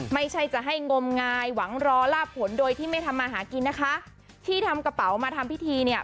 ไม่ใช่จะให้งมงายหวังรอลาบผลโดยที่ไม่ทำมาหากินนะคะที่ทำกระเป๋ามาทำพิธีเนี่ย